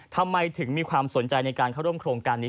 ทำไมถึงมีความสนใจในการเข้าร่วมโครงการนี้